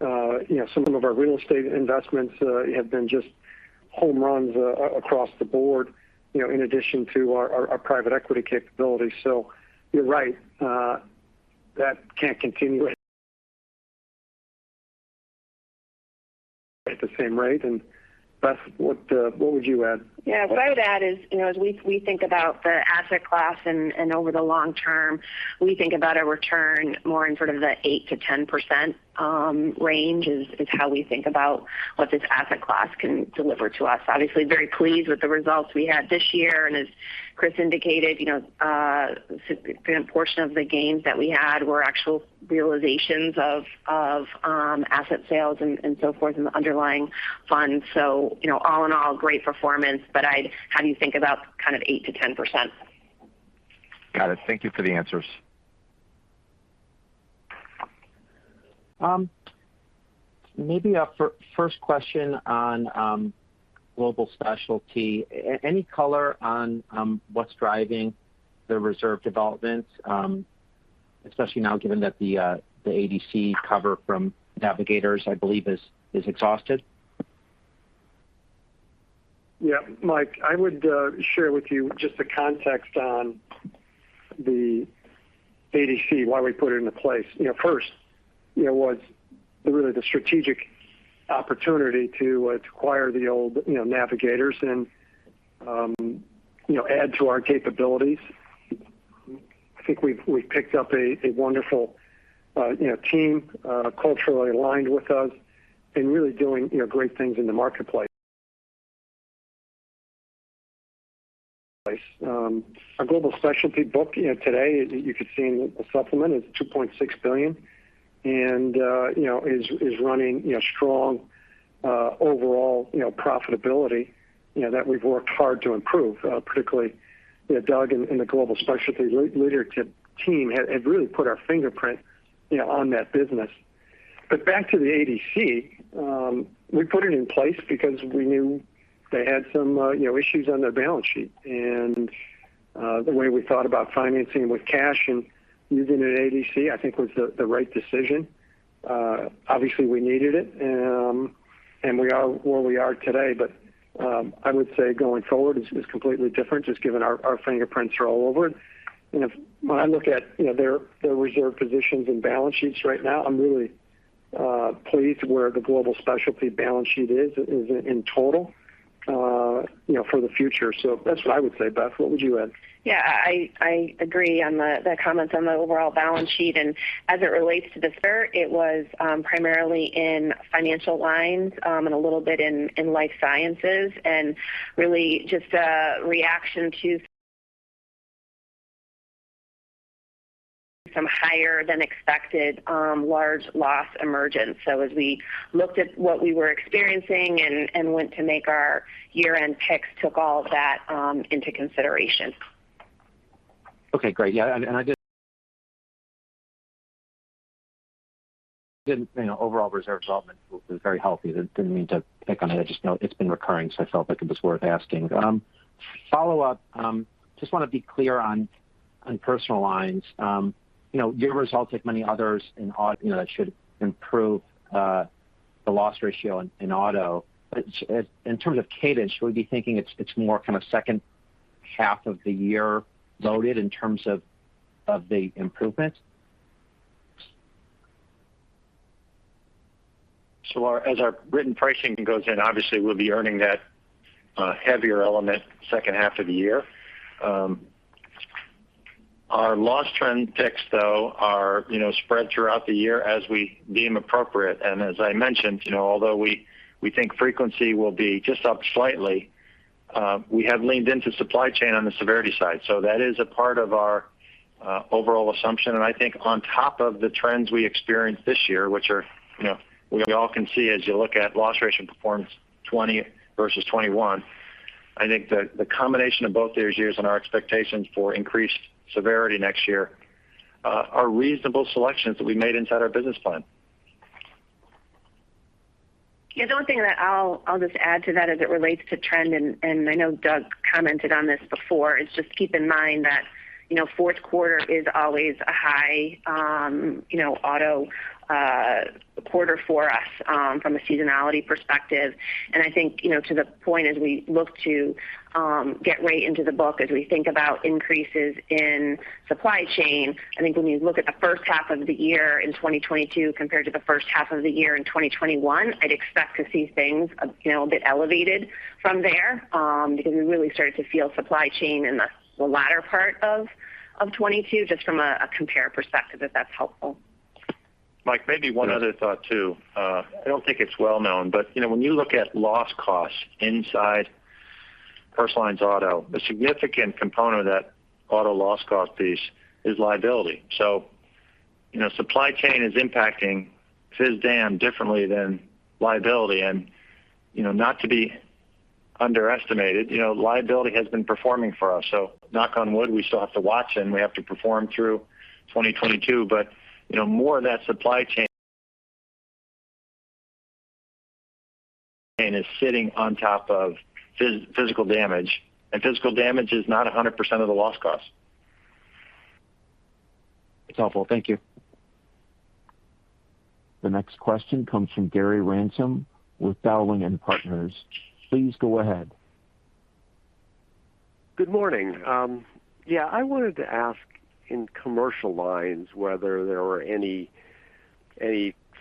You know, some of our real estate investments have been just home runs across the board, you know, in addition to our private equity capabilities. You're right, that can't continue at the same rate. Beth, what would you add? Yeah. What I would add is, you know, as we think about the asset class and over the long term, we think about a return more in sort of the 8%-10% range is how we think about what this asset class can deliver to us. Obviously, very pleased with the results we had this year. As Chris indicated, you know, a significant portion of the gains that we had were actual realizations of asset sales and so forth in the underlying funds. You know, all in all, great performance. I'd have you think about kind of 8%-10%. Got it. Thank you for the answers. Maybe a first question on Global Specialty. Any color on what's driving the reserve developments, especially now given that the ADC cover from Navigators, I believe is exhausted? Yeah. Mike, I would share with you just the context on the ADC, why we put it into place. You know, first, you know, was really the strategic opportunity to acquire the old, you know, Navigators and, you know, add to our capabilities. I think we've picked up a wonderful, you know, team, culturally aligned with us and really doing, you know, great things in the marketplace. Our Global Specialty book, you know, today you could see in the supplement is $2.6 billion and, you know, is running, you know, strong, overall, you know, profitability, you know, that we've worked hard to improve. Particularly, you know, Doug and the Global Specialty leadership team have really put our fingerprint, you know, on that business. Back to the ADC, we put it in place because we knew they had some, you know, issues on their balance sheet. The way we thought about financing with cash and using an ADC, I think was the right decision. Obviously we needed it, and we are where we are today. I would say going forward is completely different, just given our fingerprints are all over it. You know, when I look at, you know, their reserve positions and balance sheets right now, I'm really pleased where the Global Specialty balance sheet is in total, you know, for the future. That's what I would say. Beth, what would you add? Yeah, I agree on the comments on the overall balance sheet. As it relates to the SER, it was primarily in financial lines, and a little bit in life sciences, and really just a reaction to some higher than expected large loss emergence. As we looked at what we were experiencing and went to make our year-end picks, we took all of that into consideration. Okay, great. Yeah, you know, overall reserve development was very healthy. Didn't mean to pick on it. I just know it's been recurring, so I felt like it was worth asking. Follow-up, just wanna be clear on personal lines. You know, your results, like many others in auto, you know, that should improve the loss ratio in auto. But just in terms of cadence, should we be thinking it's more kind of second half of the year loaded in terms of the improvement? As our written pricing goes in, obviously we'll be earning that heavier element second half of the year. Our loss trend picks, though, are, you know, spread throughout the year as we deem appropriate. As I mentioned, you know, although we think frequency will be just up slightly, we have leaned into supply chain on the severity side. That is a part of our overall assumption. I think on top of the trends we experienced this year, which are, you know, we all can see as you look at loss ratio performance 2020 versus 2021, I think the combination of both those years and our expectations for increased severity next year. Our reasonable selections that we made inside our business plan. The only thing that I'll just add to that as it relates to trend, and I know Doug commented on this before, is just keep in mind that, you know, fourth quarter is always a high, you know, auto quarter for us, from a seasonality perspective. I think, you know, to the point as we look to get weight into the book, as we think about increases in supply chain, I think when you look at the first half of the year in 2022 compared to the first half of the year in 2021, I'd expect to see things, you know, a bit elevated from there, because we really started to feel supply chain in the latter part of 2022 just from a compare perspective, if that's helpful. Mike, maybe one other thought too. I don't think it's well known, but you know, when you look at loss costs inside personal lines auto, a significant component of that auto loss cost piece is liability. You know, supply chain is impacting physical damage differently than liability. You know, not to be underestimated, you know, liability has been performing for us. Knock on wood, we still have to watch and we have to perform through 2022. You know, more of that supply chain is sitting on top of physical damage, and physical damage is not 100% of the loss cost. That's helpful. Thank you. The next question comes from Gary Ransom with Dowling & Partners. Please go ahead. Good morning. Yeah, I wanted to ask in commercial lines whether there were any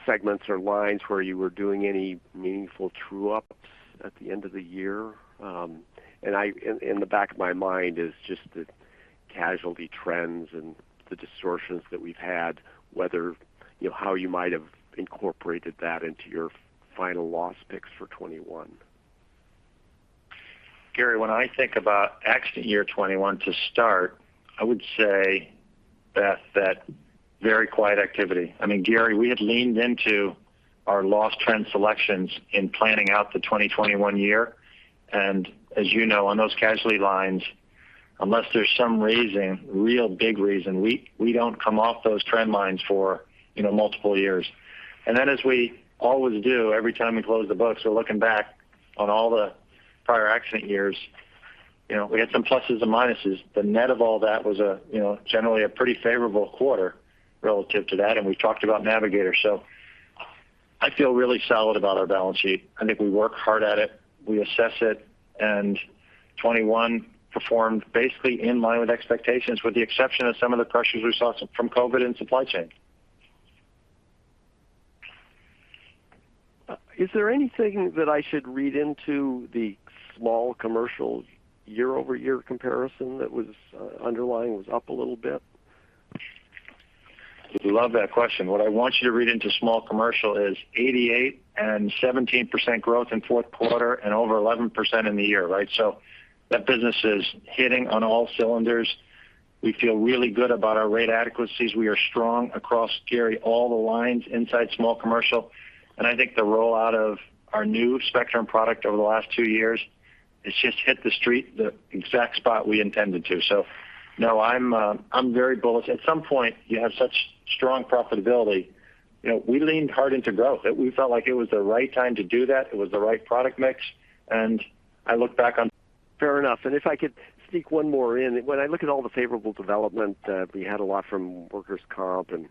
segments or lines where you were doing any meaningful true ups at the end of the year. In the back of my mind is just the casualty trends and the distortions that we've had, whether, you know, how you might have incorporated that into your final loss picks for 2021. Gary, when I think about accident year 2021 to start, I would say that very quiet activity. I mean, Gary, we had leaned into our loss trend selections in planning out the 2021 year. And as you know, on those casualty lines, unless there's some really big reason, we don't come off those trend lines for, you know, multiple years. And then as we always do every time we close the books, we're looking back on all the prior accident years, you know, we had some pluses and minuses. The net of all that was, you know, generally a pretty favorable quarter relative to that, and we talked about Navigators. I feel really solid about our balance sheet. I think we work hard at it, we assess it, and 2021 performed basically in line with expectations, with the exception of some of the pressures we saw from COVID and supply chain. Is there anything that I should read into the Small Commercial year-over-year comparison that underlying was up a little bit? Love that question. What I want you to read into small commercial is 88 and 17% growth in fourth quarter and over 11% in the year, right? That business is hitting on all cylinders. We feel really good about our rate adequacies. We are strong across, Gary, all the lines inside small commercial. I think the rollout of our new Spectrum product over the last two years has just hit the street, the exact spot we intended to. No, I'm very bullish. At some point, you have such strong profitability. You know, we leaned hard into growth. We felt like it was the right time to do that. It was the right product mix. I look back on- Fair enough. If I could sneak one more in. When I look at all the favorable development, we had a lot from workers' comp and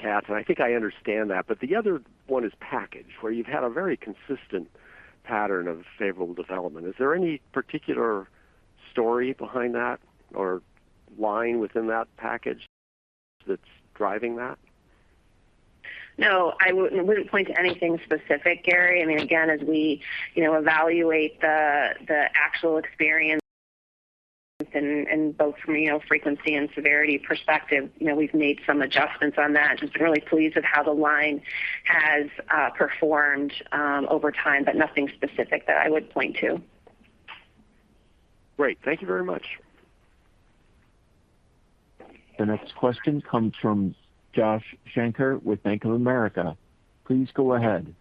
cats, and I think I understand that, but the other one is package, where you've had a very consistent pattern of favorable development. Is there any particular story behind that or line within that package that's driving that? No, I wouldn't point to anything specific, Gary. I mean, again, as we, you know, evaluate the actual experience in both from, you know, frequency and severity perspective, you know, we've made some adjustments on that. Just really pleased with how the line has performed over time, but nothing specific that I would point to. Great. Thank you very much. The next question comes from Josh Shanker with Bank of America. Please go ahead.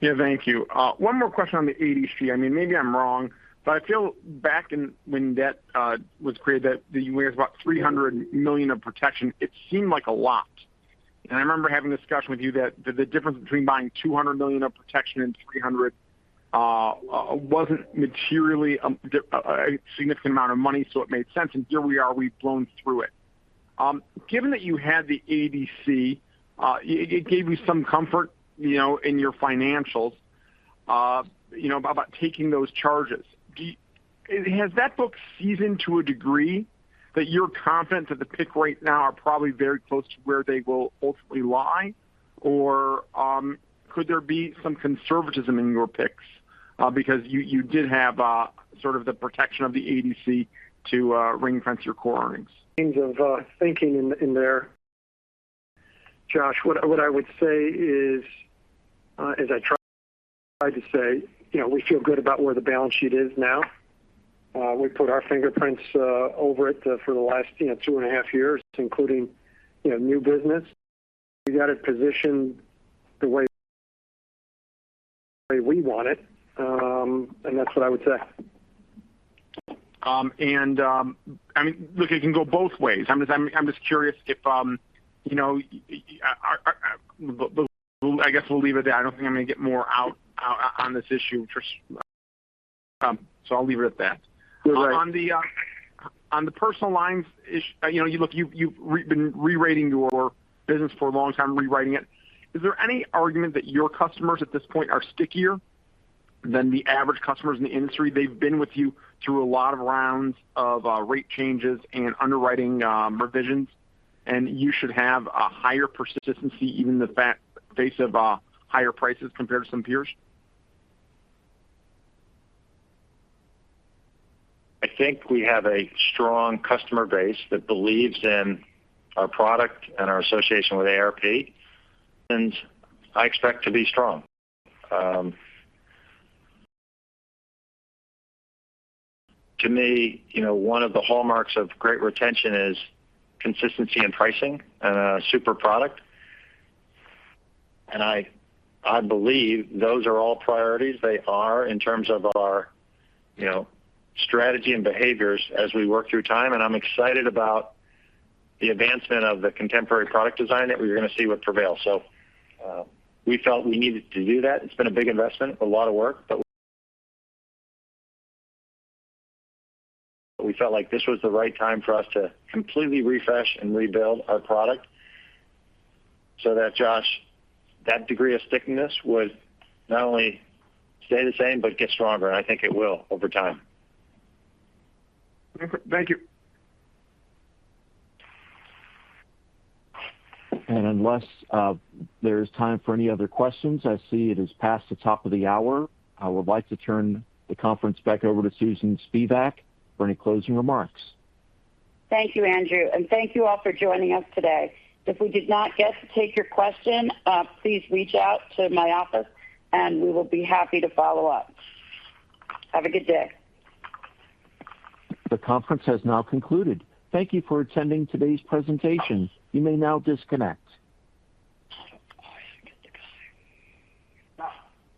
Yeah, thank you. One more question on the ADC. I mean, maybe I'm wrong, but I feel back in when debt was created that you raised about $300 million of protection, it seemed like a lot. I remember having a discussion with you that the difference between buying $200 million of protection and $300 million wasn't materially a significant amount of money, so it made sense. Here we are, we've blown through it. Given that you had the ADC, it gave you some comfort, you know, in your financials, you know, about taking those charges. Has that book seasoned to a degree that you're confident that the pick right now are probably very close to where they will ultimately lie? Could there be some conservatism in your picks because you did have sort of the protection of the ADC to ring-fence your core earnings? Josh, what I would say is, as I try to say, you know, we feel good about where the balance sheet is now. We put our fingerprints over it for the last, you know, 2.5 years, including, you know, new business. We got it positioned the way we want it. That's what I would say. I mean, look, it can go both ways. I'm just curious if you know, but I guess we'll leave it there. I don't think I'm gonna get more out on this issue. I'll leave it at that. You're right. On the personal lines, you know, you look, you've been rerating your business for a long time, rewriting it. Is there any argument that your customers at this point are stickier than the average customers in the industry? They've been with you through a lot of rounds of rate changes and underwriting revisions, and you should have a higher persistency, even in the face of higher prices compared to some peers. I think we have a strong customer base that believes in our product and our association with AARP, and I expect to be strong. To me, you know, one of the hallmarks of great retention is consistency in pricing and a super product. I believe those are all priorities. They are in terms of our, you know, strategy and behaviors as we work through time, and I'm excited about the advancement of the contemporary product design that we're gonna see with Prevail. We felt we needed to do that. It's been a big investment, a lot of work, but we felt like this was the right time for us to completely refresh and rebuild our product so that, Josh, that degree of stickiness would not only stay the same but get stronger. I think it will over time. Thank you. Unless there's time for any other questions, I see it is past the top of the hour. I would like to turn the conference back over to Susan Spivak for any closing remarks. Thank you, Andrew, and thank you all for joining us today. If we did not get to take your question, please reach out to my office, and we will be happy to follow up. Have a good day. The conference has now concluded. Thank you for attending today's presentation. You may now disconnect.